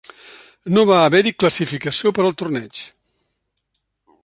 No va haver-hi classificació per al torneig.